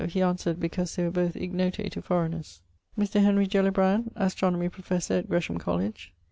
He answered because they were both ignote to foreigners. Mr. Henry Gellibrand, Astronomy professor at Gresham Colledge.